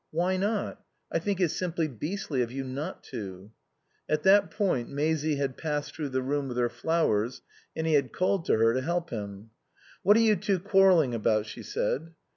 "Why not? I think it's simply beastly of you not to." At that point Maisie had passed through the room with her flowers and he had called to her to help him. "What are you two quarrelling about?" she said.